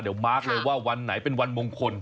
เดี๋ยวมาร์คเลยว่าวันไหนเป็นวันมงคล